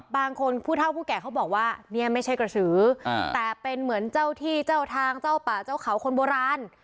ผู้เท่าผู้แก่เขาบอกว่าเนี่ยไม่ใช่กระสือแต่เป็นเหมือนเจ้าที่เจ้าทางเจ้าป่าเจ้าเขาคนโบราณ